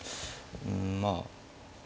うんまあ